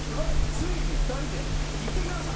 「ついに２人で行ってきました！」